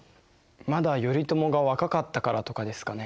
まだ頼朝が若かったからとかですかね。